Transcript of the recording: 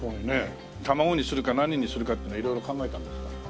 ねえ卵にするか何にするかっていうのは色々考えたんですか？